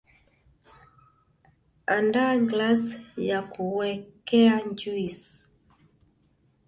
andaa glass yakuwekea juisi